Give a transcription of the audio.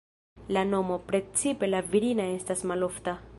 La nomo, precipe la virina estas malofta.